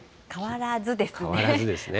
変わらずですね。